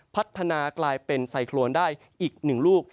พัฒนากลายเป็นไซโครนได้อีก๑ลูก